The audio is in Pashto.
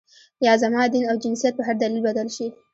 یا زما دین او جنسیت په هر دلیل بدل شي.